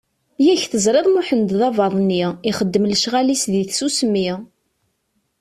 Yak teẓriḍ Muḥend d abaḍni, ixeddem lecɣal-is di tsusmi!